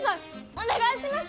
お願いします！